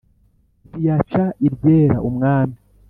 ntiyaca iryera umwami